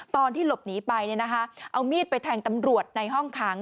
ตอนที่หลบหนีไปเอามีดไปแทงตำรวจในห้องขัง